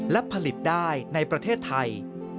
และผลิตได้ในประเทศไทย